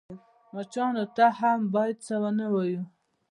_مچانو ته هم بايد څه ونه وايو.